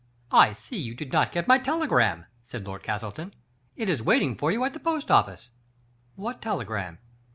I see you did not get my telegram," said Lord Castleton. " It is waiting for you at the post office." "What telegram?"